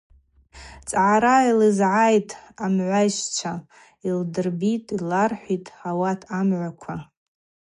Цӏгӏара йлызгӏайитӏ амгӏвайсчва, Йдлырбитӏ, йралхӏвитӏ ауат амгӏваква.